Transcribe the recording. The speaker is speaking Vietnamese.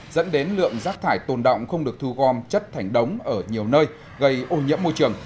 dẫn đến lượng rác thải tồn động không được thu gom chất thành đống ở nhiều nơi gây ô nhiễm môi trường